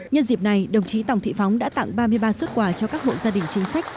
nhân dịp này đồng chí tòng thị phóng đã tặng ba mươi ba xuất quà cho các hộ gia đình chính sách